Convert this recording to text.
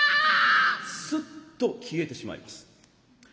スッと消えてしまいます。